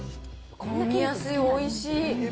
飲みやすい、おいしい。